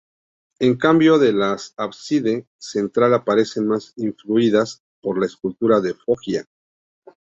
En cambio las del ábside central parecen más influidas por la escultura de Foggia.